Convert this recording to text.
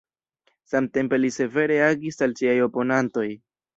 Samtempe li severe agis al siaj oponantoj.